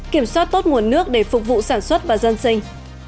kiểm soát tốt nguồn nước để phục vụ sản xuất và dân sinh